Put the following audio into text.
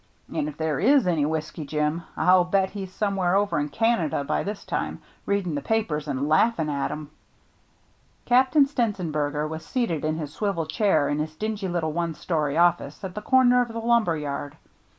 And if there is any Whiskey Jim, I'll bet he's somewhere over in Canada by this time, reading the papers and laughing at 'em." Captain Stenzenberger was seated in his swivel chair in his dingy little one story office at the corner of the lumber yard.